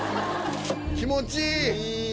気持ちいい！いい！